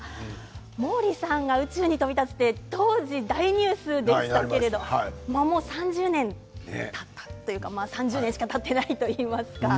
毛利さんが宇宙に飛び立つって当時、大ニュースでしたけどもう３０年たったというか３０年しかたってないといいますか。